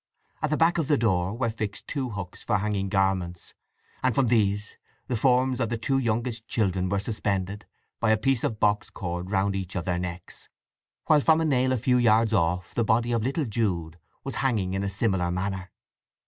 At the back of the door were fixed two hooks for hanging garments, and from these the forms of the two youngest children were suspended, by a piece of box cord round each of their necks, while from a nail a few yards off the body of little Jude was hanging in a similar manner.